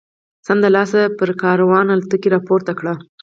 سمدلاسه پر کاروان الوتکې را پورته کړي.